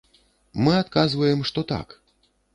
Мы адказваем, што так.